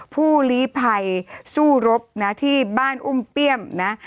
ผู้ลีภัยสู้รบนะที่บ้านอุ้มเปี้ยมนะ